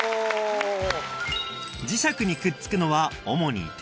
磁石にくっつくのは主に鉄